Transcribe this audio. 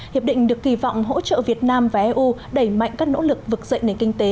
hiệp định được kỳ vọng hỗ trợ việt nam và eu đẩy mạnh các nỗ lực vực dậy nền kinh tế